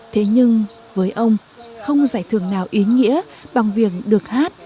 thế nhưng với ông không giải thưởng nào ý nghĩa bằng việc được hát